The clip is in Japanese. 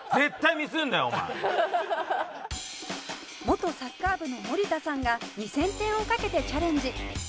元サッカー部の森田さんが２０００点を賭けてチャレンジ